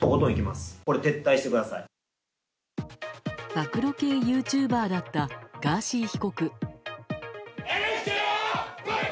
暴露系ユーチューバーだったガーシー被告。